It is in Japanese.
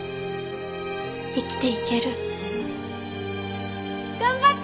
生きていける。頑張って！